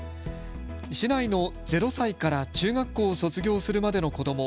市内の０歳から中学校を卒業するまでの子ども